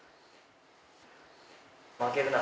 負けるな。